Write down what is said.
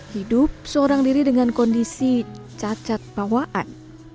hidup seorang diri dengan kondisi cacat bawaan